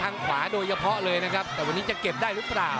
อัพพะเลยนะครับแต่วันนี้จะเก็บได้หรือเปล่า